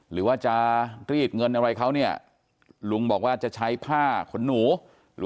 หรือว่าจะรีดเงินอะไรเขาเนี่ยลุงบอกว่าจะใช้ผ้าขนหนู